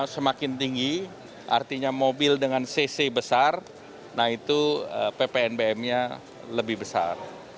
semakin tinggi artinya mobil dengan cc besar nah itu ppnbm nya lebih besar